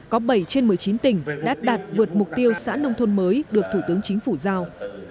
có bảy trên một mươi chín tỉnh đã đạt vượt mục tiêu xã nông thôn mới được thủ tướng chính phủ giao